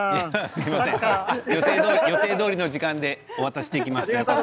すみません予定どおりの時間でお渡しできました。